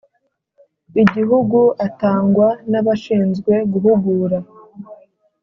Igihugu atangwa n abashinzwe guhugura